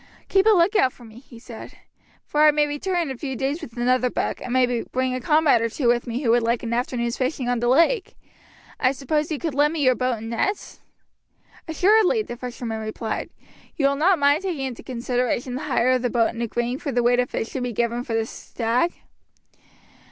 "Keep a lookout for me," he said, "for I may return in a few days with another buck, and may bring a comrade or two with me who would like an afternoon's fishing on the lake. I suppose you could lend me your boat and nets?" "Assuredly," the fisherman replied. "You will not mind taking into consideration the hire of the boat in agreeing for the weight of fish to be given for the stag?"